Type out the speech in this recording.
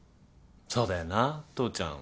そうだよな父ちゃん